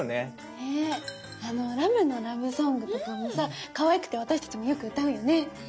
あの「ラムのラブソング」とかもさかわいくて私たちもよく歌うよね。ね。